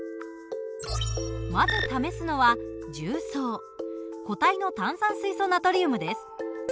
まず試すのは重曹固体の炭酸水素ナトリウムです。